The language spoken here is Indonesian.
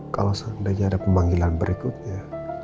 kalau seandainya ada pemanggilan berikutnya